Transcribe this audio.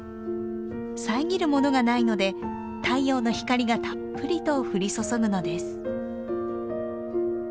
遮るものがないので太陽の光がたっぷりと降り注ぐのです。